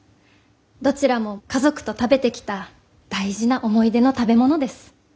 どちらも家族と食べてきた大事な思い出の食べ物です。